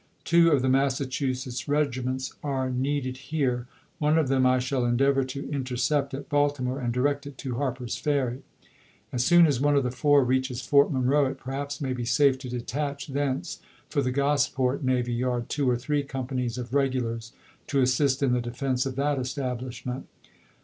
Two of the Mas sachusetts regiments are needed here ; one of them I shall endeavor to intercept at Baltimore and direct it to Har per's Ferry. As soon as one of the four reaches Fort Monroe, it perhaps may be safe to detach thence for the Gosport navy yard two or three companies of regulars to assist in the defense of that establishment.